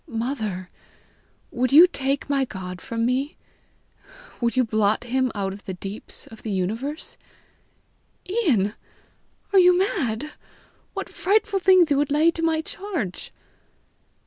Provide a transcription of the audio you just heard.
"Mother, would you take my God from me? Would you blot him out of the deeps of the universe?" "Ian! are you mad? What frightful things you would lay to my charge!"